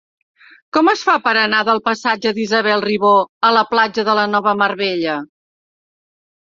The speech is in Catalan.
Com es fa per anar del passatge d'Isabel Ribó a la platja de la Nova Mar Bella?